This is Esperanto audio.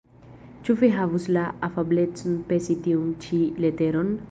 Ĉu vi havus la afablecon pesi tiun ĉi leteron?